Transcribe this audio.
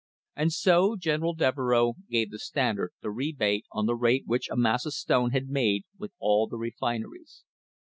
And so General Devereux gave the Standard the rebate on the rate which Amasa Stone had made with all the refiners.